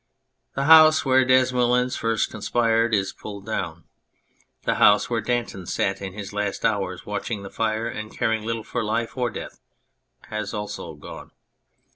The house where Desmoulins first conspired is pulled down. The house where Danton sat in his last hours watching the fire and caring little for life or death has also gone.